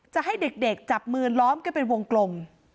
จะให้เด็กจับมือล้อมกันเป็นวงกลม